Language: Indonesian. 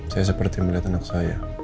saya seperti melihat anak saya